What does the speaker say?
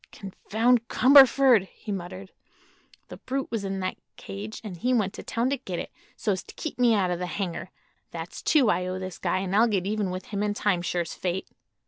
"Confound Cumberford!" he muttered. "The brute was in that cage, and he went to town to get it, so's to keep me out of the hangar. That's two I owe this guy, an' I'll get even with him in time, sure's fate."